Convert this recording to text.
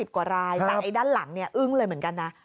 กว่ารายแต่ด้านหลังเนี่ยอึ้งเลยเหมือนกันนะ